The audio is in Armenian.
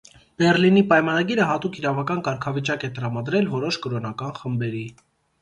Բեռլինի պայմանագիրը հատուկ իրավական կարգավիճակ է տրամադրել որոշ կրոնական խմբերի։